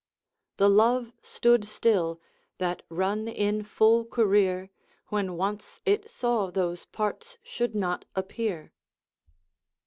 The love stood still, that run in full career, When once it saw those parts should not appear.